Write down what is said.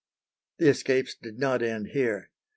The escapes did not end here.